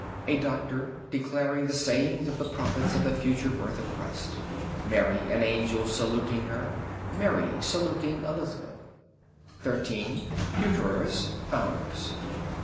A Doctor declaring the sayings of the prophets of the future birth of Christ. Mary; an angel saluting her; Mary saluting Elizabeth. 13. Pewterers, Founders.